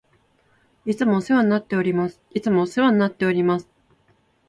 いつもお世話になっております。いつもお世話になっております。